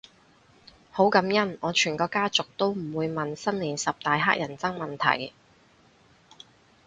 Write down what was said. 好感恩我全個家族都唔會問新年十大乞人憎問題